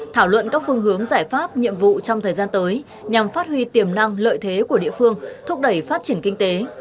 thảo luận các phương hướng giải pháp nhiệm vụ trong thời gian tới nhằm phát huy tiềm năng lợi thế của địa phương thúc đẩy phát triển kinh tế